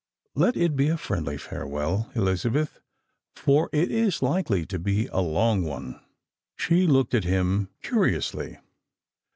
Let it be a friendly farewell, Elizabeth, for it is likely to be a long one." She looked at him curiously.